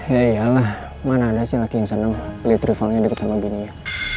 ya iyalah mana ada sih laki yang seneng liat rivalnya deket sama bininya